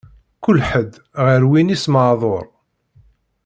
Kul ḥedd, ɣer win-is maɛduṛ.